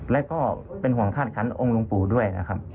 และก็เป็นห่วงคาดคันองค์ลงปู่ด้วยนะครับ